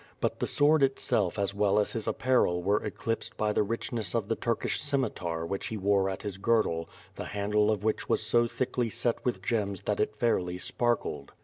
But the sword itself as well as his apparel were eclipsed by the richness of the Turkish scimitar which he wore at his girdle, the handle of which was so thickly set with gems that it fairly sparkled.